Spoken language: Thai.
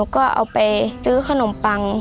ก็เอาไปซื้อขนมปัง